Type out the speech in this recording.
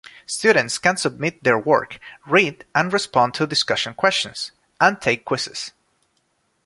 Students can submit their work, read and respond to discussion questions, and take quizzes.